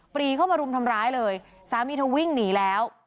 รีเข้ามารุมทำร้ายเลยสามีเธอวิ่งหนีแล้ว